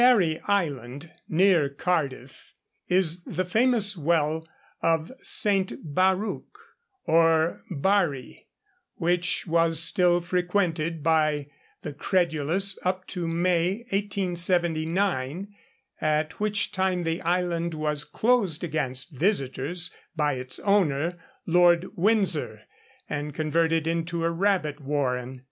On Barry Island, near Cardiff, is the famous well of St. Barruc, or Barri, which was still frequented by the credulous up to May, 1879, at which time the island was closed against visitors by its owner, Lord Windsor, and converted into a rabbit warren.